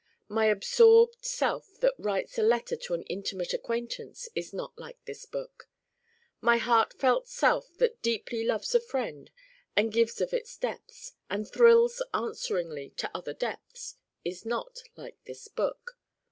My absorbed self that writes a letter to an intimate acquaintance is not like this book. My heartfelt self that deeply loves a friend, and gives of its depths, and thrills answeringly to other depths, is not like this book.